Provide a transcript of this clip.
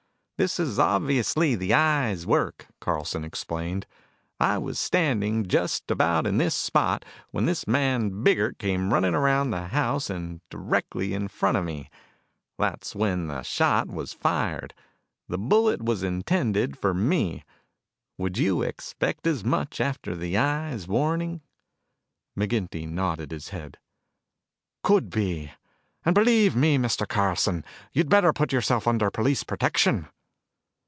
"This is obviously the Eye's work," Carlson explained. "I was standing just about in this spot when this man Biggert came running around the house and directly in front of me. That was when the shot was fired. The bullet was intended for me. You would expect as much after the Eye's warning." McGinty nodded his head. "Could be. And believe me, Mr. Carlson, you'd better put yourself under police protection."